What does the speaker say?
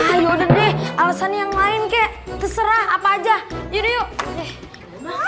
ah yaudah deh alesannya yang lain kek terserah apa aja yuk yuk